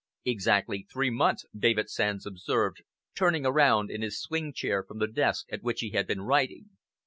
"Exactly three months," David Sands observed, turning around in his swing chair from the desk at which he had been writing.